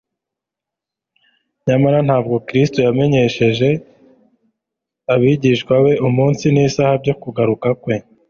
Nyamara ntabwo Kristo yamenyesheje abigishwa be umunsi n'isaha byo kugaruka kwe.